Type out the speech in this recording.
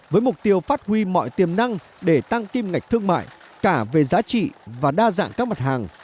với mục tiêu phát huy mọi tiềm năng để tăng kim ngạch thương mại cả về giá trị và đa dạng các mặt hàng